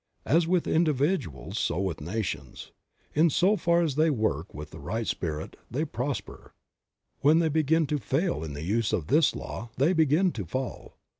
As with individuals so with nations ; in so 24 Creative Mind. far as they work with a right spirit they prosper ; when they begin to fail in the use of this law they begin to fall.